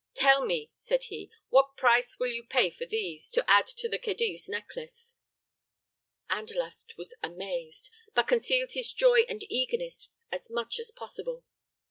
"Tell me," said he, "what price you will pay for these, to add to the Khedive's necklace." Andalaft was amazed, but concealed his joy and eagerness as much as possible.